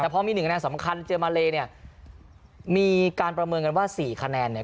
แต่พอมีหนึ่งคะแนนสำคัญเจอมาเลเนี่ยมีการประเมินกันว่าสี่คะแนนเนี่ย